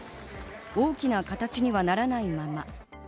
大きな形にはならないまま。